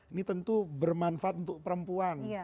ini tentu bermanfaat untuk perempuan